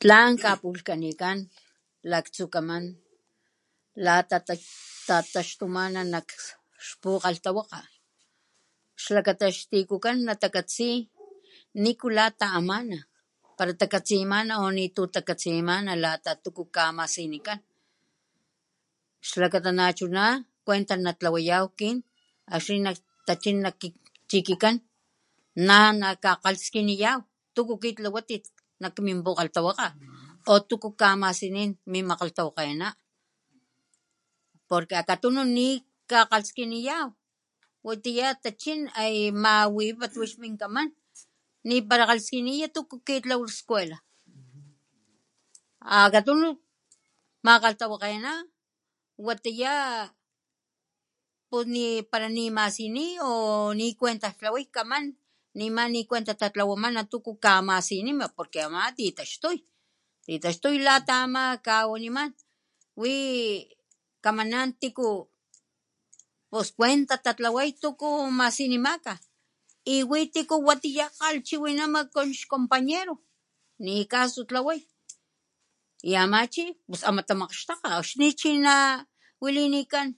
Tlan kapulhkanikan laktsukaman la ta tataxtumana nak xpukgalhtawakga xlakata ix tikukan natakatsi nikula ta'amana pala takatsimana o nitu takatsinimana lata tuku kamasinikan xlakata nachuna cuentaj natlawayaw kin akxni natachin kin chi'kikan na nakakgalaskiniya tuku kitlawatit nak min pukgalhtawakga o tuku kamasinin min makgalhtawakgena porque akatunu nikakgalaskiniya watiya tachin ay mawipat wix min kaman ni pala kgalaskiniya tuku kitlawalh skuela akatunu makgalhtawakgena watiya pus ni para ni masini o nikuentajtlaway kaman nema ni nikuentajtatlawamana tuku kamasinima por que ama titaxtuy, titaxtuy lata ama jkawaniman wi kamanan tiku pus kuentaj tatlaway tuku masinimaka y witi tiku watiya kgalhchiwinama con ix compañero nikaso tlaway y ama chi pus ama tamakxtakga akxni chi nawalinikan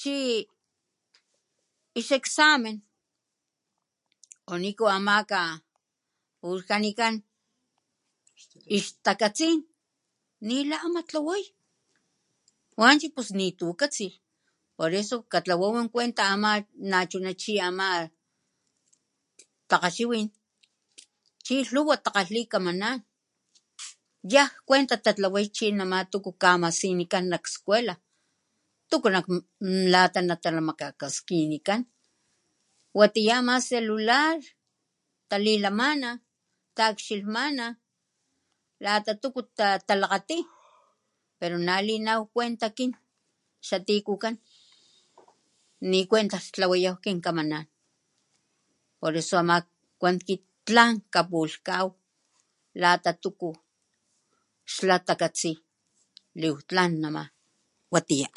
chix examen o niku amaka pulhkanikan ix takatsin ni la amatlaway wanchi pus nitu katsilh por eso katlawaw en cuenta ama na chuna chi ama takgachiwin chi lhuwa takgalhi kamanan yaj cuenta tatlaway chi nama tuku kamasinikan nak skuela tuku lata nata makklakaskinikan watiya ama celular talilamana takxilhmana lata tuku talakgati pero nalinaw cuenta akin xa tikukan nikuentajtlawayaw kin kamanan ana poreso ama kuan kit tlan kapulhkaw lata tuku xla takatsi liwijtlan nama. Watiya.